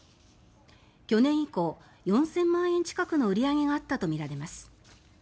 去年以降、４０００万円近くの売り上げがあったとみられます。